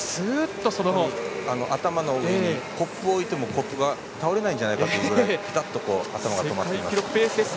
頭の上にコップを置いても倒れないんじゃないかというぐらいぴたっと頭が止まっていました。